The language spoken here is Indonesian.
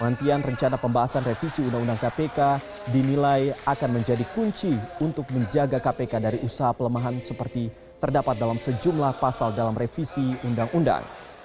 rantian rencana pembahasan revisi undang undang kpk dinilai akan menjadi kunci untuk menjaga kpk dari usaha pelemahan seperti terdapat dalam sejumlah pasal dalam revisi undang undang